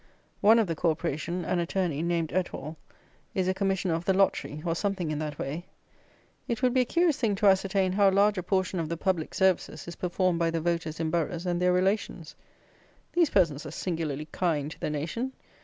One of the Corporation, an Attorney, named Etwall, is a Commissioner of the Lottery, or something in that way. It would be a curious thing to ascertain how large a portion of the "public services" is performed by the voters in Boroughs and their relations. These persons are singularly kind to the nation.